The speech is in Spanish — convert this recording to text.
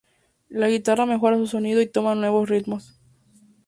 La guitarra mejora su sonido y toma nuevos ritmos.